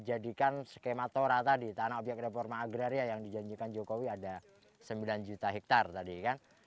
jadikan skema tora tadi tanah obyek reforma agraria yang dijanjikan jokowi ada sembilan juta hektare tadi kan